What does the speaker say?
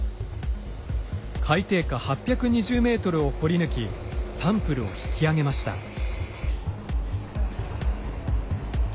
海底下８２０ｍを掘り抜きサンプルを引き上げました。